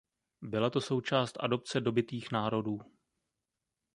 Byla to součást adopce dobytých národů.